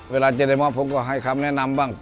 เวลาเจรมอธิบัติผมก็ให้คำแนะนำบ้าง